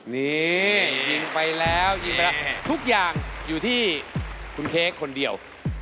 นี่ยิงไปแล้วทุกอย่างอยู่ที่คุณเค้กคนเดียว